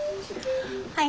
はい。